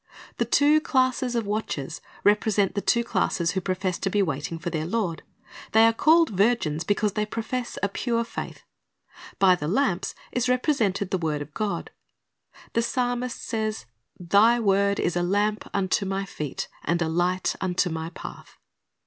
The two classes of watchers represent the two classes who profess to be waiting for their Lord. They are called virgins because they profess a pure faith. , By the lamps is represented the word of God. The psalmist says, "Thy i Margin " ZV Meet the Bri d c zr o ojh'' 407 word is a lamp unto my feet, and a light unto my path."'